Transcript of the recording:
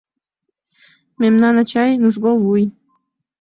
Мемнан ачай - нужгол вуй.